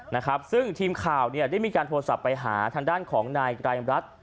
นะครับซึ่งทีมข่าวเนี่ยได้มีการโทรศัพท์ไปหาทางด้านของนายไกรรัฐ